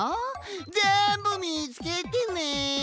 ぜんぶみつけてね。